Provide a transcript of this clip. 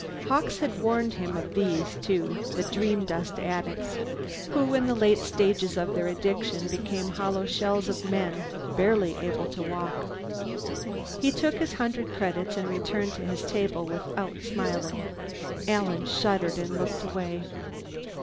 Hawkes had warned him of these, too the dreamdust addicts, who in the late stages of their addiction became hollow shells of men, barely able to walk. He took his hundred credits and returned to his table without smiling. Alan shuddered and looked away.